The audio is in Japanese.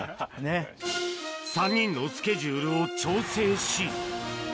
３人のスケジュールを調整し。